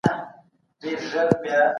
د نورو په شخصي ژوند کي بايد پلټني ونسي.